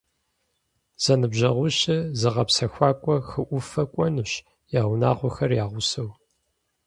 Зэныбжьэгъуищыр зыгъэпсэхуакӏуэ хы ӏуфэм кӏуэнущ, я унагъуэхэр я гъусэу.